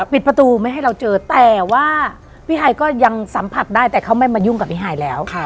ปิดประตูไม่ให้เราเจอแต่ว่าพี่ไฮก็ยังสัมผัสได้แต่เขาไม่มายุ่งกับพี่ไฮแล้ว